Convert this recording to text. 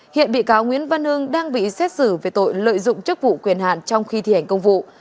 hiện bị cáo nguyễn văn hưng đang bị xét xử về tội lợi dụng chức vụ quyền hạn trong khi thi hành công vụ